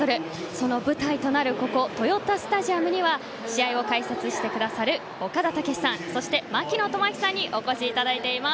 その舞台となる豊田スタジアムには試合を解説してくださる岡田武史さんそして槙野智章さんにお越しいただいています。